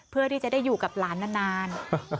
เพื่อได้อยู่กับหลานนาน